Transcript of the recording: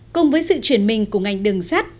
cùng với sự chuyển mình của ngành đường sắt